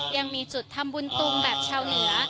ยังมีจุดทำบุญตุงแบบชาวเหนือ